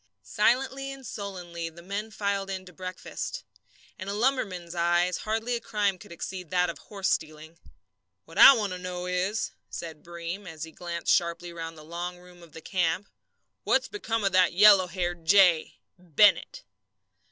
Silently and sullenly the men filed in to breakfast. In a lumberman's eyes hardly a crime could exceed that of horse stealing. "What I want to know is," said Breem, as he glanced sharply round the long room of the camp, "what's become of that yellow haired jay Bennett?"